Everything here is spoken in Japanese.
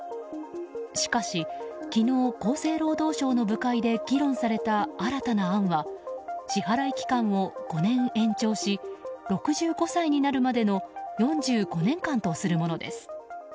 しかし昨日、厚生労働省の部会で議論された新たな案は支払期間を５年延長し６５歳になるまでの４５年間とするものです。